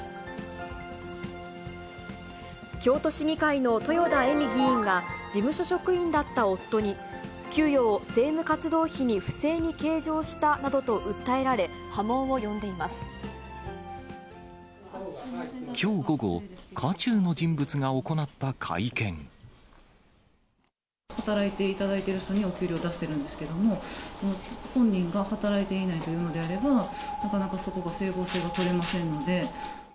京都市議会の豊田恵美議員が、事務所職員だった夫に、給与を政務活動費に不正に計上したなどと訴えられ、きょう午後、渦中の人物が行働いていただいている人にお給料を出しているんですけれども、その本人が働いていないと言うのであれば、なかなかそこが整合性が取れませんので。